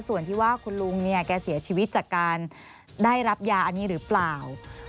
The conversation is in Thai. ส่วนที่ว่าคุณลุงเนี่ยแกเสียชีวิตจากการได้รับยาอันนี้หรือเปล่า